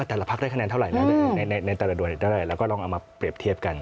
แต่ละพักได้คะแนนเท่าไหร่นะในแต่ละหน่วยได้แล้วก็ลองเอามาเปรียบเทียบกัน